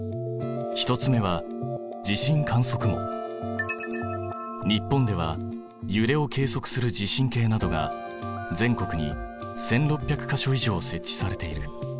１つ目は日本ではゆれを計測する地震計などが全国に１，６００か所以上設置されている。